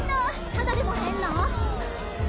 タダでもらえんの？